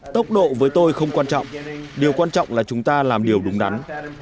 tốc độ với tôi không quan trọng điều quan trọng là chúng ta làm điều đúng đắn